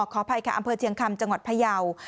ขออภัยค่ะอำเภอเชียงคำจังหวัดพยาว